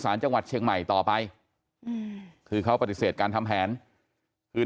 จังหวัดเชียงใหม่ต่อไปคือเขาปฏิเสธการทำแผนคืน